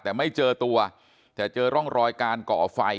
แต่ไม่เจอตัวแต่เจอร่องรอยการก่อไฟ